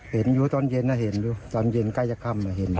เห็นอยู่ตอนเย็นนะเห็นอยู่ตอนเย็นใกล้จะค่ำเห็น